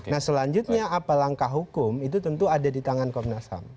nah selanjutnya apa langkah hukum itu tentu ada di tangan komnas ham